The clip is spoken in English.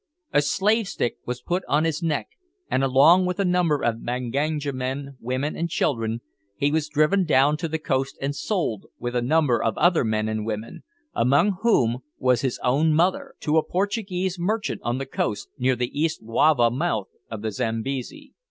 A slave stick was put on his neck, and, along with a number of Manganja men, women, and children, he was driven down to the coast, and sold, with a number of other men and women, among whom was his own mother, to a Portuguese merchant on the coast, near the East Luavo mouth of the Zambesi.